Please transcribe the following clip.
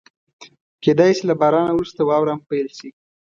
کېدای شي له بارانه وروسته واوره هم پيل شي.